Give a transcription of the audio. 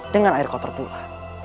dengan air kotor pula